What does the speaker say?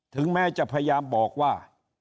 ถึงแม้จะพยายามบอกว่า